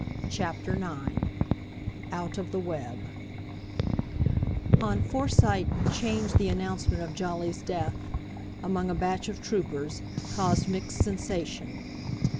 CHAPTER IX OUT OF THE WEB On Forsyte 'Change the announcement of Jolly's death, among a batch of troopers, caused mixed sensation.